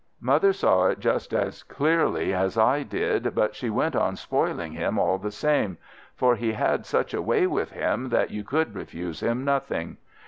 Mother saw it just as clearly as I did, but she went on spoiling him all the same, for he had such a way with him that you could refuse him nothing.